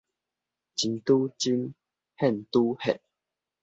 真拄真，現拄現